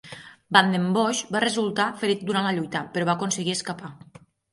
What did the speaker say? Van den Bossche va resultar ferit durant la lluita, però va aconseguir escapar.